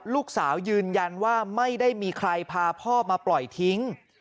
ยืนยันว่าไม่ได้มีใครพาพ่อมาปล่อยทิ้ง